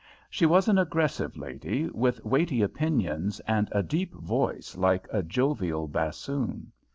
She was an aggressive lady, with weighty opinions, and a deep voice like a jovial bassoon.